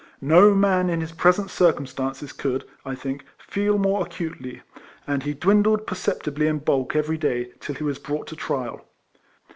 No man in his present circumstances could, I should think, feel more acutely, and he dwindled per ceptibly in bulk every day, till he was brought to trial.